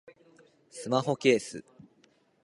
スマホケース